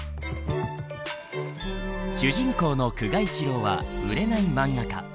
主人公の久我一郎は売れない漫画家。